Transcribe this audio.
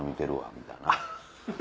みたいな。